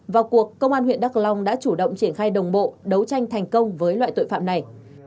vào cuộc công an huyện đắk long đã chủ động triển khai đồng bộ đấu tranh thành công với loại tội phạm này